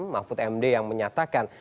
mahfud md yang menyatakan